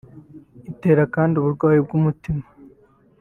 Itera kandi uburwayi bw’umutima